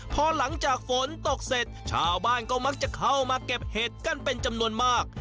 พอหลังจากฝนตกเสร็จชาวบ้านก็มักจะเข้ามาเก็บเห็ดกันเป็นจำนวนมาก